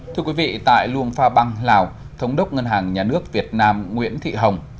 thưa quý vị tại luông pha băng lào thống đốc ngân hàng nhà nước việt nam nguyễn thị hồng